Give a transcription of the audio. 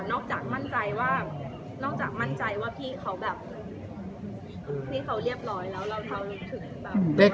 นอกจากมั่นใจว่านอกจากมั่นใจว่าพี่เขาแบบ